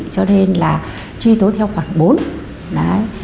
cho nên là truy tố theo khoảng bốn